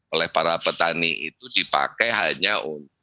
oleh para petani itu dipakai hanya untuk